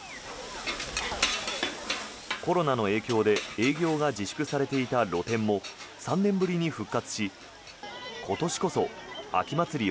コロナの影響で営業が自粛されていた露店も３年ぶりに復活し今年こそ秋祭り